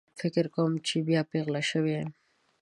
فکر کوم چې بیا پیغله شوې یم